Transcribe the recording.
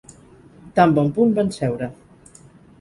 Tan bon punt van seure.